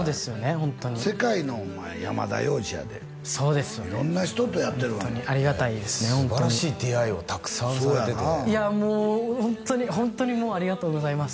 ホントに世界のお前山田洋次やでそうですよね色んな人とやってるホントにありがたいですね素晴らしい出会いをたくさんされてていやもうホントにホントにもうありがとうございます